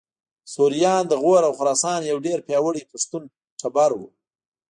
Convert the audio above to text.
سوریان د غور او خراسان یو ډېر پیاوړی پښتون ټبر و